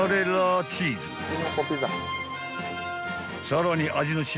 ［さらに］